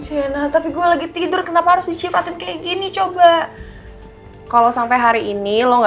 shina tapi gue lagi tidur kenapa harus diciptain kayak gini coba kalau sampai hari ini lo gak